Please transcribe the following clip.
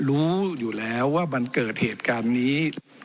รู้อยู่แล้วว่ามันเกิดเหตุการณ์นี้